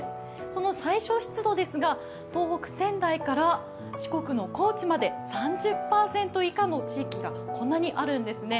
その最小湿度ですが、東北・仙台から四国の高知まで３０％以下の地域がこんなにあるんですね。